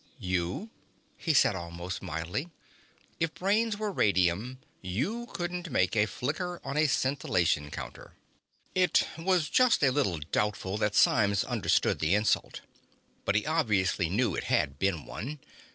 "You," he said, almost mildly. "If brains were radium, you couldn't make a flicker on a scintillation counter." It was just a little doubtful that Symes understood the insult. But he obviously knew it had been one.